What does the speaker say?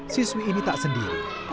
siswi ini tak sendiri